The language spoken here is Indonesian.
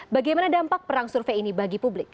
bagaimana dampak perang survei ini bagi publik